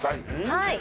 はい。